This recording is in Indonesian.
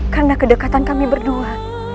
karena kedekatan kami berdua